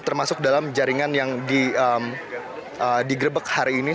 termasuk dalam jaringan yang digrebek hari ini